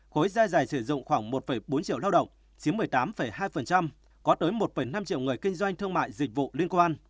khối gia dày sử dụng khoảng một bốn triệu lao động chiếm một mươi tám hai có tới một năm triệu người kinh doanh thương mại dịch vụ liên quan